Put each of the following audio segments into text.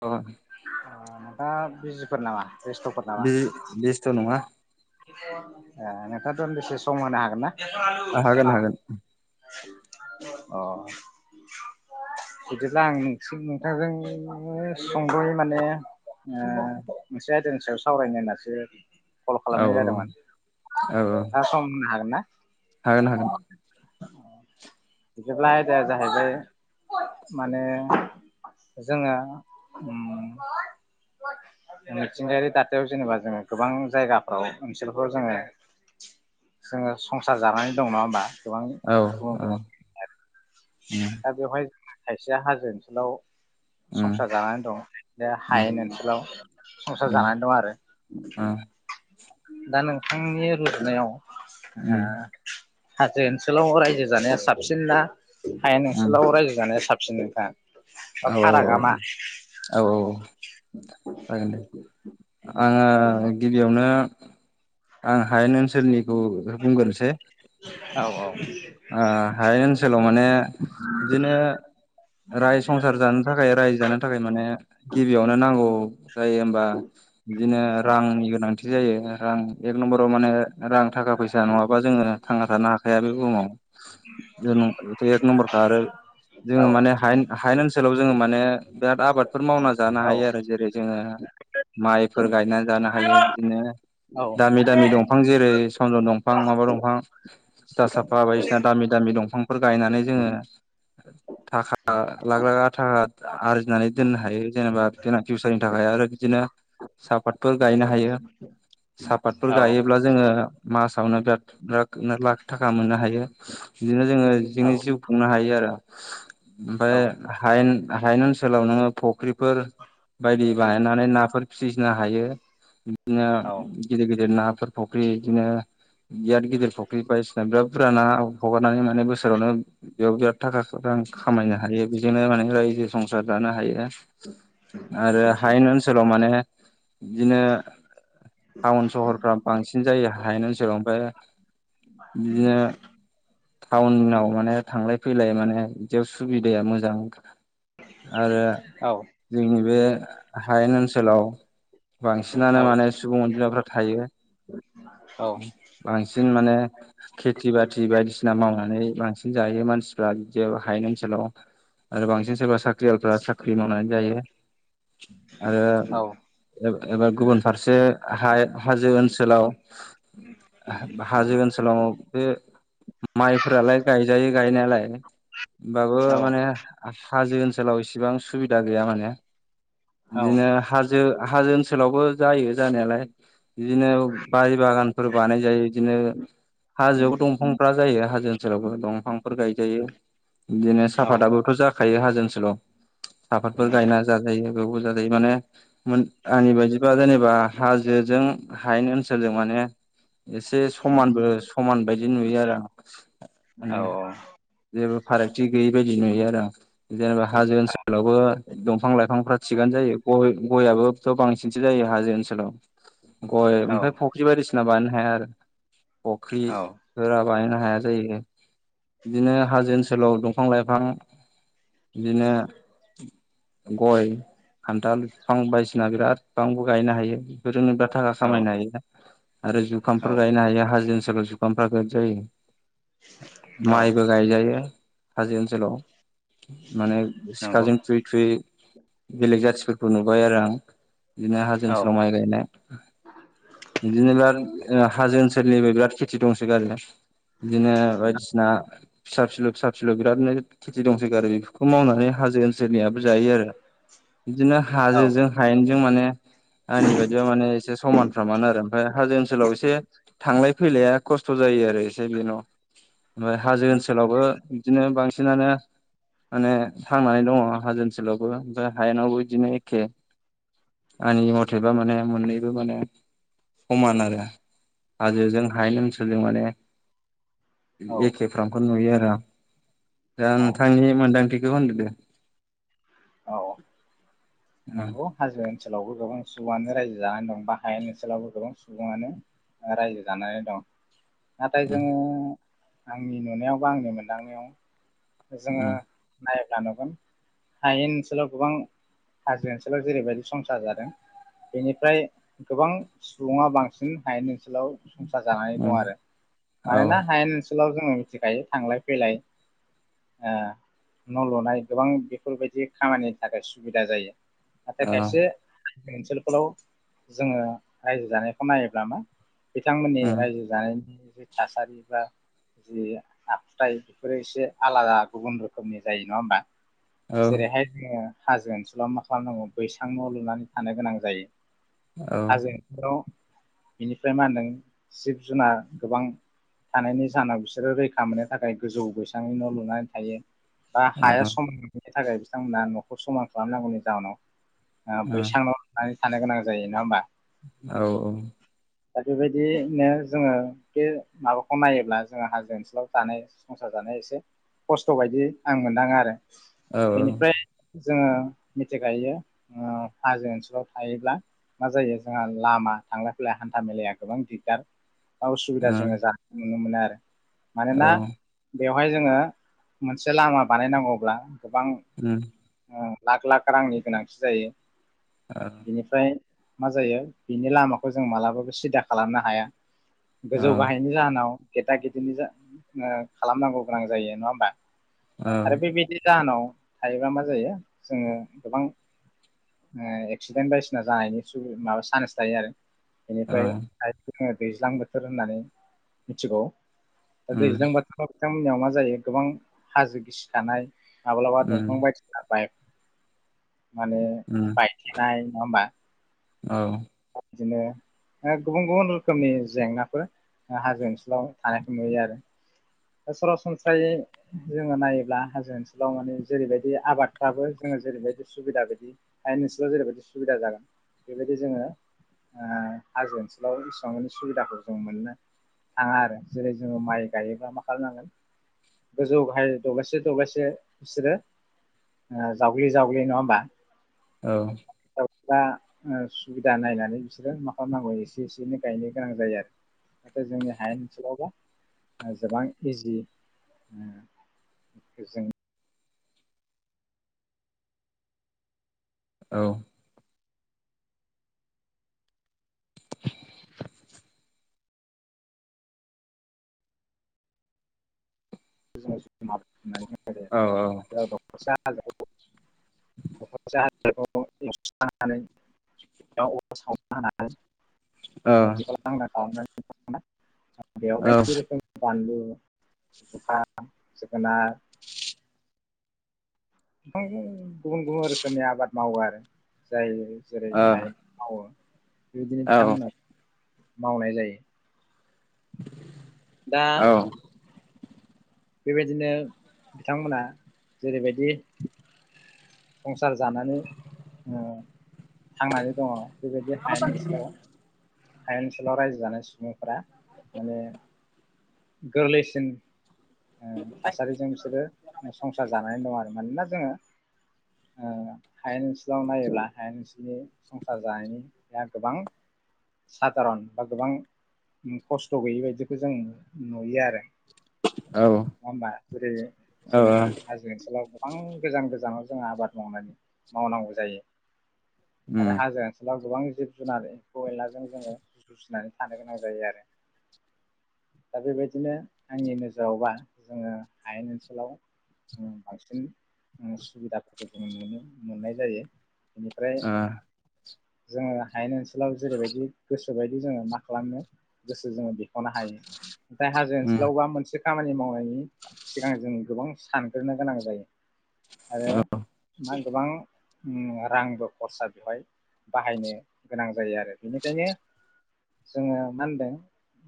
अ। दा बिजिफोर नामा? बेस्थ'फोर नामा बे बेस्थ' नङा। ए नोंङा दानदिसे सम होनो हागोन हागोन ना? हागोन अ। बिदिब्ला आं नोंसि नोंथांजों सुंद'यै माने ओ मोनसे आयदानि सायाव सावरायनाय होनसो कल औ खालामनाय औ जादोंमोन। औ नोंथाङा सम होननो हागोना? हागोन हागोन। बिदिब्ला आयदाया जाहैबाय। माने जोंङो मिथिंगायारि दाथायाव जेनेबा जोंङो गोबां जायगाफ्राव ओनसोलफ्राव जोंङो [inaudible] जोंङो संसार जानानै दं नङा होमबा गोबां? औ गुबुन औ गुबुन उम दा बेवहाय खायसेया हाजो ओनसोलाव उम संसार जानानै दं, बे उम हायेन ओनसोलाव संसार उम जानानै दं। आरो ओ दा नोंथांनि रुजनायाव ओ उम हाजो ओनसोलाव रायजो जानाया साबसिन ना? हायेन ओनसोलाव रायजो जानाया साबसिन नोंथां? बा फारागा मा औऔऔ ओऔऔ जागोन दे। आंङो गिबियावनो आं हायेन ओनसोलनिखौ बुंग्रोनोसै औ औ ओ हायेन ओनसोलाव माने बिदिनो राय संसार जानो थाखाय रायजो जानो थाखाय माने गिबियावनो नांगौ जायो होमबा बिदिनो रांनि गोनांथि बिदि जायो रां एक नम्बराव माने रां थाखा फैसा नङाबा जोङो थांना थानो हाखाया बे बुहुमाव जोन'थ' एक नम्बारखा आरो जोंङो माने हायेन हायेन ओनसोलाव जोंङो माने बिराद आबादफोर मावना जानो औ हायो आरो जेरै जोंङो माइफोर गायनानै जानो हायो बिदिनो दामि दामि दंफां जेरै दंफां माबा दंफां थिथा साफा बाय दामि दामि दंफांफोर गायनानै जोंङो थाखा लाख लाख थाखा आरजिनानै दोननो हायो जेनेबा बे फिउसारनि थाखाय आरो बिदिनो सापातफोर गायनो हायो। सापातफोर औ गायोब्ला जोंङो मासावनो बिराद बिराद लाख थाखा मोननो हायो। बिदिनो जोंङो जोंनो जिउ खुंनो हायो आरो औ ओमफ्राय हायेन हायेनो ओनसोलाव नोंङो फुख्रिफोर बायदि बानायनानै नाफोर फिसिनो हायो बिदिनो गिदिर गिदिर ना फोर फख्रि बिदिनो बिराद गिदिर फुख्रि बायदिसिना बिराद बुरजा ना हगारनानै मोनो बोसोरावनो बेयाव बिराद थाखा रां खामायनो हायो। बेजोंनो माने रायजो संसार जानो हायो आरो हायेन ओनसोलाव माने बिदिनो टाउन सहरफ्रा बांसिन जायो हायेन ओनसोलाव ओमफ्राय बिदिनो [inaudible] टाउनाव माने थांलाय फैलाय माने बिदियाव सुबिदाया मोजां आरो जोंनि बे हायेन ओनसोलाव बांसिनानो माने सुबुं अनजिमाफ्रा थायो बांसिन माने खेथि बाथि बायदिसि ना मावनानै बांसिन जायो मानसिफ्रा बि हायेन ओनसोलाव आरो बांसिन सोरबा साख्रि यालफोरा साख्रि मावनानै जायो आरो औ एबा गुबुन फारसे हाजो ओनसोलाव हाजो ओनसोलावाव बे माइफोरालाय गायजायो गायनायालाय होमबाबो माने हाजो ओनसोलाव इसेबां सुबिदा गैया माने बिदिनो हाजो हाजो ओन सोलावबो जायो जानायालाय बिदिनो बारि बागानफोर बानाय जायो बिदिनो हाजोआव दंफांफ्रा हाजो ओनसोलावबो दंफांफोर गायजायो बिदिनो साफाताबोथ' जाखायो हाजो ओनसोलाव साफादफोर गायना जाजायो बेबो जाजायो माने आंनि बायदिबा जेनेबा हाजोजों हायनो ओनसोलजों माने एसे समानबो समान बायदि नुयो आरो आं माने औ जेबो फारागथि गैयै बायदि नुयो आरो आं जेनेबा हाजो ओनसोलावबो दंफां लाइफांफ्रा थिगानो जायो गय गयाबोथ' बांसिनसो जायो हाजो ओनसोलाव गय ओमफ्राय फुख्रि बायदिसि ना बानायनो हाया आरो फख्रिफोरा बानायनो हाया जायो बिदिनो हाजो ओनसोलाव दंफां लाइफां बिदिनो गय खान्थाल बिफां बायदिसिना बिराद बिफांबो गायनो हायो बेफोरजोंनो बिरात थाखा खामायनो औ हायो आरो औ जुखामफोर गायनो हायो हाजो ओनसोल जुखामफ्रा बिरात जायो माइबो औ गायजायो हाजो ओनसोलाव माने नंगौ सिखाजों थुयै थुयै बेलेग जाथिफोरखौ नुबाय आरो आं बिदिनो हाजो औ ओनसोलाव माइ गायनाय बिदिनो [unintelligible] हाजो ओनसोल बो बिराद खेथि दंसो गारो बिदिनो बायदिसिना फिसा फिसलौ फिसा फिलौ बिरादनो खेथि दंसोगारो बेफोरखौ मावनानै हाजो ओनसोलनियाबो जायो आरो बिदिनो औ हाजोजों हायेनजों माने आंनि बायदियाव माने एसे समानफ्रामान आरो ओमफ्राय हाजो ओनसोलाव एसे थांलाय फैलाया खस्थ' जायो आरो एसे बेल' ओमफ्राय हाजो ओनसोलावबो बिदिनो बांसिनानो माने थांनानै दङ हाजो ओनसोलावबो ओमफ्राय हायेनावबो इदिनो एखे आंनि मथेबा माने मोननैबो माने समान आरो हाजोजों हायेन ओनसोलजों माने औ एखेफ्रामखौ नुयो आरो आं दा औ नोंथांनि मोन्दांथिखौ होनदो औ उम नंगौ हाजो ओनसोलावबो गोबां सुबुङानो रायजो जानानै दं बा हायेन ओनसोलावबो गोबां सुबुङानो रायजो जानानै दं नाथाय उम जोङो आंनि नुनायाव बा आंनि मोनदांनायाव जोङो उम नायोब्ला नुगोन हायेन ओनसोलाव गोबां हाजो ओनसोलाव जेरैबायदि संसार जादों बेनिफ्राय गोबां सुबुङा बांसिन हायेन ओनसोलखौ संसार जानानै दं उम आरो औ मानोना हायेन ओनसोलाव जोङो मिथिखायो थांलाय फैलाय ओ न' लुनाय गोबां बेफोरबायदि खामानिनि थाखाय सुबिदा जायो नाथाय औ खायसे ओनसोलफोलाव जोङो रायजो जानायखौ नायोब्ला मा बिथांमोननि उम रायजो जानायनि जि थासारि बा जि आखुथाय बेफोरो एसे आलादा गुबुन रोखोमनि जायो नङा होमबा। औ जेरैहाय जोङो हाजो ओनसोलाव मा खालामनांगौ बैसां न' लुनानै थानो गोनां जायो। औ हाजो ओनसोलाव बिनिफ्राय मा होनदों जिब जुनार गोबां थानायनि जाहोनाव बिसोरो रैखा मोननो थाखाय गोजौ बैसांनि न' लुनानै थायो। दा हाया उम समान नङिनि थाखाय बिथांमोना न'खौ समान खालामनांगौनि जाहोनाव ओ बैसां न' लुनानै थानो गोनां जायो नङा होमबा। औ औ। दा बेबायदिनो जोङो बे माबाखौ नायोब्ला जोङो हाजो ओनसोलाव जानाय संसार जानाय एसे खस्थ' बायदि आं मोनदाङो आरो। औ औ। बेनिफ्राय जोङो मिथिखायो जे ओ हाजो ओनसोलाव थायोब्ला मा जायो जोंहा लामा थांलाय फैलाय हान्था मेलाया गोबां दिगदार उसुबिदा जोङो जानाय नुनो मोनो आरो मानोना बेवहाय जोङो मोनसे लामा बानायनांगौब्ला गोबां ओ लाख लाख रांनि गोनांथि जायो बिनिफ्राय मा जायो बिनि लामाखौ जों मालाबाबो सिदा खालामनो हाया। गोजौ गाहायनि जाहोनाव गेदा गेदिनि जा ओ खालामनांगौ गोनां जायो नङा होमबा आरो बेबायदि जानाव थायोबा मा जायो जोङो गोबां ओ एक्सिडेन्ट बायदिसिना जानायनि सुब माबा चान्स थायो आरो। बेनिफ्राय [unintelligible] जोङो दैज्लां बोथोर होननानै मिथिगौ। दा दैज्लां बोथोराव बिथांमोननियाव मा जायो गोबां हाजो गिसिखानाय। माबलाबा द माने बायथेनाय नङा होमबा। औ। बिदिनो गुबुन गुबुन रोखोमनि जेंनाफोर ओ हाजो ओनसोलाव थानायखौ नुयो आरो। सरासनस्रायै जोङो नायोब्ला हाजो ओनसोलाव माने जेरैबायदि आबादफ्राबो जों जोङो जेरैबायदि सुबिदा बायदि हायेन ओनसोलाव जेरैबायदि सुबिदा जागोन बेबायदि जोङो ओ हाजो ओनसोलाव एसेबां माने सुबिदाखौ जों मोना थाङा आरो जेरै जोङो माइ गायोब्ला मा खालामनांगोन गोजौ गाहाय दलायसे दलायसे बिसोरो ओ जावग्लि जावग्लि नङा होमबा। औ। एबा ओ सुबिदा नायनानै बिसोरो मा खालामनांगौ एसे एसेनो गायनो गोनां जायो आरो। नाथाय जोंनि हायेन ओनसोलावबा गोबां इजि ओ बेजों औ। समाप होननानै जों औ औ। [unintelligible] दखरसे हाग्राखौ एवसांनानै बेयाव अर सावना होनानै ओ बेखौ लांदां खालामना होनानै बेवहाय जेरोखोम बानलु सुखा जोगोनार गां गुबुन गुबुन रोखोमनि आबाद मावो आरो जाय जेरै हाय मावो बेबायदिनो बिथांमोना मावनाय जायो। दा बेबायदिनो बिथांमोना जेरैबायदि संसार जानानै ओ थांनानै दङ बेबायदि हायेन ओनसोलाव हायेन ओनसोलाव रायजो जानाय सुबुंफोरा माने गोरलैसिन ओ थासारिजों बिसोरो संसार जानानै दं आरो मानोना जोङो ओ [inaudible] हायेन ओनसोलाव नायोब्ला हायेन ओनसोलनि संसार जानायनिया गोबां साधारन बा गोबां उम खस्थ' गैयि बायदिखौ जों नुयो आरो नङा औ होमबा जेरै जोङो हाजो ओनसोलाव गोबां गोजान गोजानाव जों आबाद मावनानै मावनांगौ जायो आरो हाजो ओनसोलाव गोबां जिब जुनार एमफौ एनलाजों जोङो जुजिनानै थानो गोनां जायो आरो दा बेबायदिनो आंनि नोजोरावबा जोङो हायेन ओनसोलाव उम बांसिन उम सुबिदा जों नुनो मोननाय जायो बेनिफ्राय जोङो हायेन ओनसोलाव जेरैबायदि गोसोबायदि जोङो मा खालामनो गोसो जोङो बेखौनो हायो ओम दा हाजो ओनसोलावबा मोनसे खामानि मावनायनि सिगां जों गोबां सानग्रोनो गोनां जायो आरो मा गोबां उम रांबो खरसा बेवहाय बाहायनो गोनां जायो आरो बेनिखायनो जोङो मा होनदों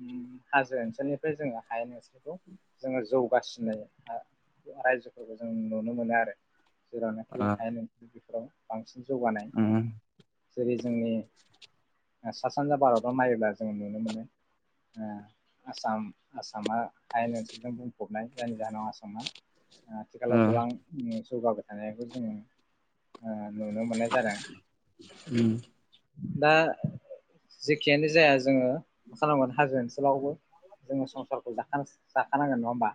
उम हाजो ओनसोलनिफ्राय जोङो हायेन ओनसोलखौ जोङो जौगासिनाय हा रायजोफोरखौ जों नुनो मोनो आरो जेरावनाखि हायेन बेफोराव बांसिन जौगानाय जेरै जोंनि सा सानजा भारताव नायोब्ला जोङो नुनो मोनो [inaudible] आसाम आसामा हायेन ओनसोलजों बुंफबनाय जायनि जाहोनाव आसामा आथिखालाव गोबां जौगाबाय थानायखौ जोङो ओ नुनो मोननाय जादों दा जेखियानो जाया जोंङो मा खालामगोन? [unintelligible] [unintelligible] जोंङो संसारखौ जाखास जाखानांगोन नंङा होमबा?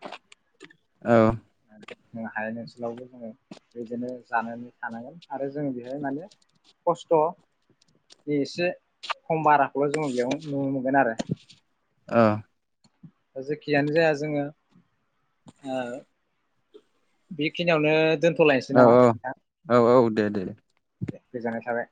जों हायेन ओनसोलावबो जोंङो बेदिनो जानानै थानांगोन आरो जों बेहाय माने खस्थ' बे एसे खम बाराखौल' जोंङ बेयाव नुनो मोनगोन आरो। ओं। दा जेखियानो जाया जोंङो ओ बेखिनियावनो दोनथ'लायनोसै नामा नोंथां? दे दे गोजानाय थाबाय।